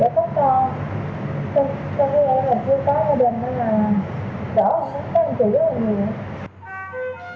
đại học tây nguyên hội các nhân viên nguyễn huyết học khu trường nguyễn huyết học khu trường nguyễn huyết học